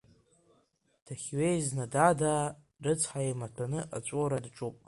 Дахьҩеиз Надаада рыцҳа еимаҭәаны аҵәуара даҿуп.